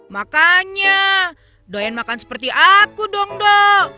makanya doyan makan seperti aku dong dok